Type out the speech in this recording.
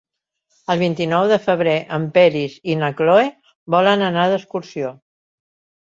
El vint-i-nou de febrer en Peris i na Cloè volen anar d'excursió.